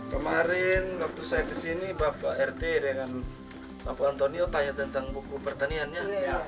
kemarin waktu saya kesini bapak rt dengan bapak antonio tanya tentang buku pertaniannya